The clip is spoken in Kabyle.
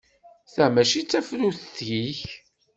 Ta mačči d tafrut-ik.